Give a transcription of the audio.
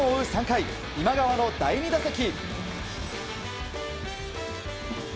３回今川の第２打席。